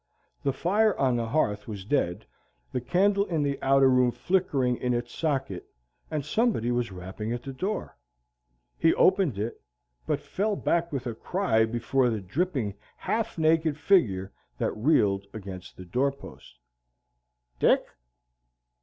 The fire on the hearth was dead, the candle in the outer room flickering in its socket, and somebody was rapping at the door. He opened it, but fell back with a cry before the dripping half naked figure that reeled against the doorpost. "Dick?"